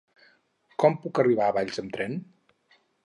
Com puc arribar a Valls amb tren?